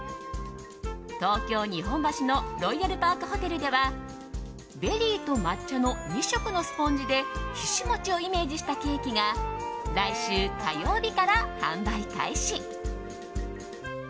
東京・日本橋のロイヤルパークホテルではベリーと抹茶の２色のスポンジでひし餅をイメージしたケーキが来週火曜日から販売開始。